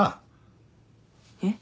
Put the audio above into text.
えっ？